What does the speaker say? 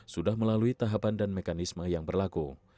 sudah melalui tahapan dan mekanisme yang berlaku